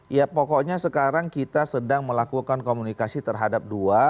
ya pokoknya sekarang kita sedang melakukan komunikasi terhadap dua